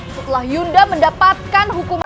setelah yunda mendapatkan hukuman